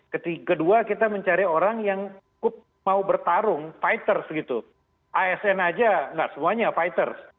kedua kita mencari orang yang ikut mau bertarung fighters gitu asn aja nggak semuanya fighters